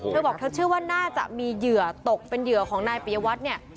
เธอบอกเธอเชื่อว่าน่าจะมีเหยื่อตกเป็นเหยื่อของนายปียวัตรเนี่ย